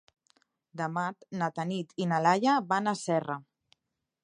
Demà na Tanit i na Laia van a Serra.